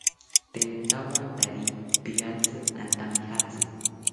Tee notawantari piratzi antamijatzi